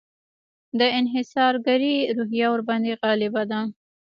د انحصارګري روحیه ورباندې غالبه ده.